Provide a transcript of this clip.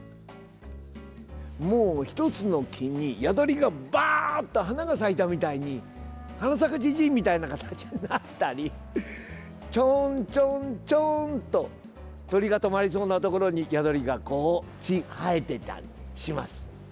１つの木にヤドリギがばーっと花が咲いたみたいに花咲かじじいみたいな形になったりちょんちょんちょんと鳥が止まりそうなところにヤドリギが生えていたりします。